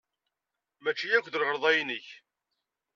Maci akk d lɣelḍa-nnek.